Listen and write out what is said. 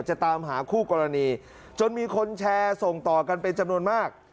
จะตามหาคู่กรณีจนมีคนแชร์ส่งต่อกันเป็นจำนวนมาก